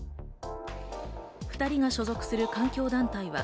２人が所属する環境団体は、